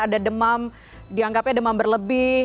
ada demam dianggapnya demam berlebih